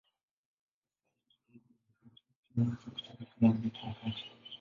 Hasa ni kiungo wa kati; pia anaweza kucheza kama beki wa kati.